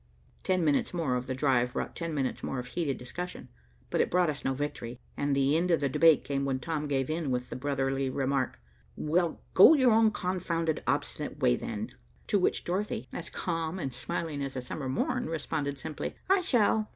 Ten minutes more of the drive brought ten minutes more of heated discussion, but it brought us no victory, and the end of the debate came when Tom gave in with the brotherly remark: "Well, go your own confounded, obstinate way then." To which Dorothy, as calm and smiling as a summer morn, responded simply, "I shall."